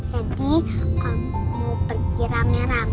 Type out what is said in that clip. jadi kalau mau pergi rame rame